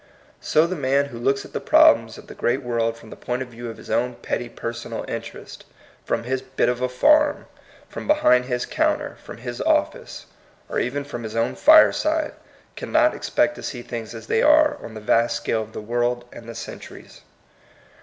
So the man who looks at the problems of the great world from the point of view of his own petty personal in terests, from his bit of a farm, from behind his counter, from his office, or even from his own fireside, cannot expect to see things as they are on the vast scale of the world and the centuries.